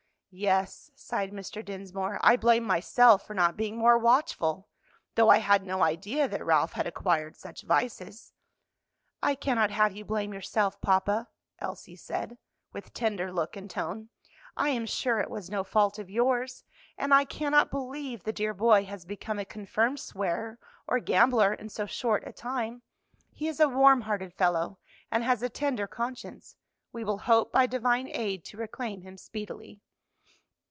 "Yes," sighed Mr. Dinsmore, "I blame myself for not being more watchful; though I had no idea that Ralph had acquired such vices." "I cannot have you blame yourself, papa," Elsie said, with tender look and tone, "I am sure it was no fault of yours. And I cannot believe the dear boy has become a confirmed swearer or gambler in so short a time. He is a warm hearted fellow, and has a tender conscience. We will hope by divine aid to reclaim him speedily."